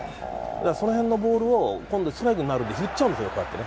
その辺のボールを今度ストライクになると振っちゃうんですよ。